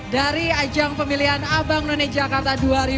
dari ajang pemilihan abang none jakarta dua ribu dua puluh